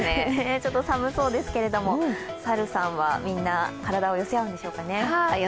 ちょっと寒そうですけれども猿さんはみんな、体を寄せ合うんでしょうかね。